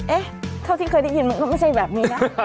เท่าที่เคยได้ยินมันก็ไม่ใช่แบบนี้นะ